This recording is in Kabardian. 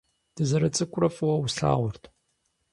Дызэрыцӏыкӏурэ фӏыуэ услъагъурт.